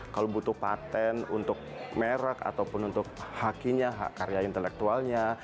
kalau butuh patent untuk merek ataupun untuk hakinya karya intelektualnya